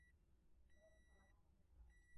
他只是站着沉默不语